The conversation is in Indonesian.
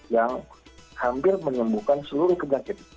yang hampir menyembuhkan seluruh penyakit